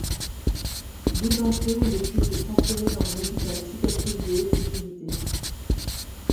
Deux d'entre eux ont depuis été transférés dans un hôpital psychiatrique de haute sécurité.